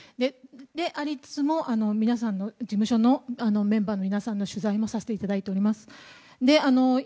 で、ありつつもメンバーの皆さんの取材もさせていただいております。